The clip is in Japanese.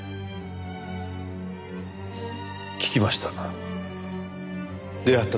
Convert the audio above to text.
聞きました。